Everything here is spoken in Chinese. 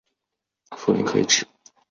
富临可以指